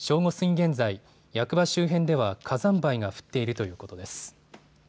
現在、役場周辺では火山灰が降っているということです。